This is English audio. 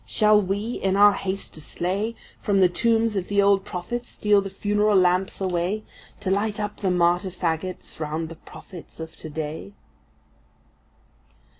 Shall we, in our haste to slay, From the tombs of the old prophets steal the funeral lamps away To light up the martyr fagots round the prophets of to day?